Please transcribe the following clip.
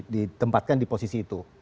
ditempatkan di posisi itu